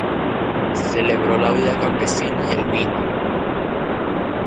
Celebró la vida campesina y el vino.